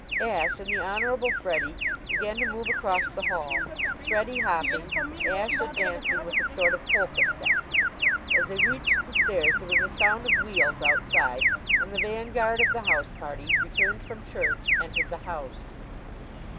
Ashe and the Honorable Freddie began to move across the hall Freddie hopping, Ashe advancing with a sort of polka step. As they reached the stairs there was a sound of wheels outside and the vanguard of the house party, returned from church, entered the house.